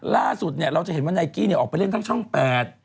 ล่าสุดเนี่ยเราจะเห็นว่าไนกี้ออกไปเล่นทั้งช่องแปด